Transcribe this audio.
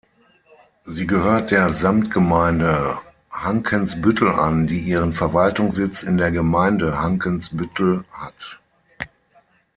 Sie gehört der Samtgemeinde Hankensbüttel an, die ihren Verwaltungssitz in der Gemeinde Hankensbüttel hat.